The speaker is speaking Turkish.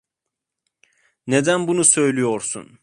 Neden bunu söylüyorsun?